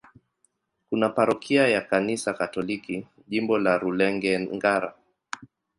Kuna parokia ya Kanisa Katoliki, Jimbo la Rulenge-Ngara.